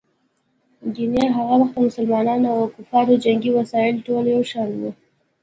ګیني هغه وخت د مسلمانانو او کفارو جنګي وسایل ټول یو شان وو.